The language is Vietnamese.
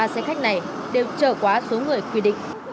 ba xe khách này đều chở quá số người quy định